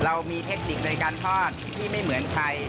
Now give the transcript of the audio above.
เรามีเทคนิคในการทอดที่ไม่เหมือนใคร